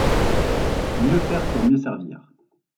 Mieux faire pour mieux servir